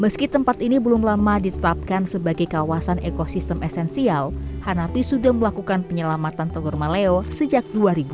meski tempat ini belum lama ditetapkan sebagai kawasan ekosistem esensial hanapi sudah melakukan penyelamatan telur maleo sejak dua ribu